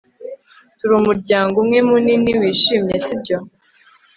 Turi umuryango umwe munini wishimye sibyo